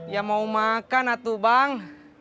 ya mau makan atu bang